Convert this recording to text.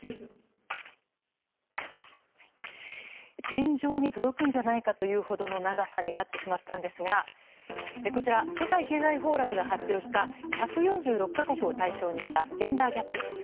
天井に届くんじゃないかというほどの長さになってしまったんですがこちら、世界経済フォーラムが発表した１４６か国を対象にしたジェンダーギャップ指数。